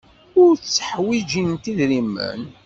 Ur tteḥwijint idrimen.